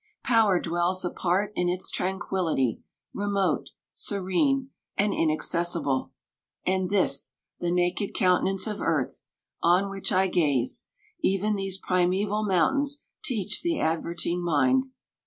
Power dwells apart in its tranquillity Remote, serene, and inaccessible : And this, the naked countenance of earth, On which I gaze, even these primaeval mountains Teach the adverting mind.